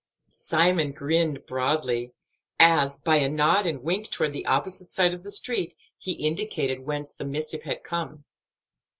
Simon grinned broadly, as, by a nod and wink toward the opposite side of the street, he indicated whence the missive had come.